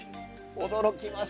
驚きました。